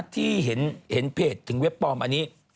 ที่เห็นเพจถึงเว็บปลอมอันนี้